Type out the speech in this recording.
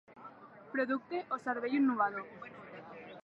Producte o servei innovador.